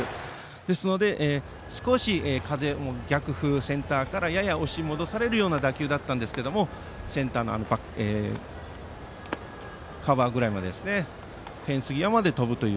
ですので、少し風が逆風センターからやや押し戻されるような打球でしたがセンターのフェンス際まで飛ぶという。